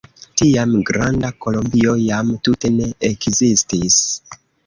Tiam Granda Kolombio jam tute ne ekzistis.